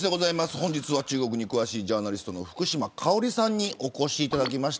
本日は中国に詳しいジャーナリストの福島香織さんにお越しいただきました。